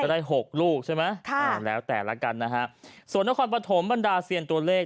ได้หกลูกใช่ไหมค่ะแล้วแต่ละกันนะฮะส่วนนครปฐมบรรดาเซียนตัวเลข